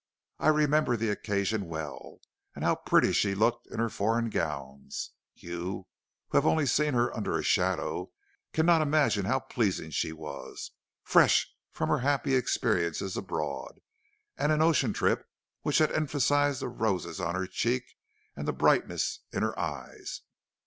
I remember the occasion well, and how pretty she looked in her foreign gowns. You, who have only seen her under a shadow, cannot imagine how pleasing she was, fresh from her happy experiences abroad, and an ocean trip, which had emphasized the roses on her cheek and the brightness in her eyes.